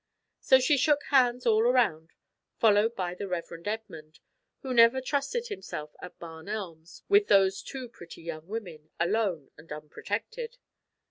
So she shook hands all around, followed by the Rev. Edmund, who never trusted himself at Barn Elms, with those two pretty young women, alone and unprotected.